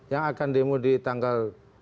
yang akan demo di tanggal